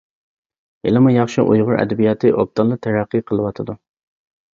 ھېلىمۇ ياخشى ئۇيغۇر ئەدەبىياتى ئوبدانلا تەرەققىي قىلىۋاتىدۇ.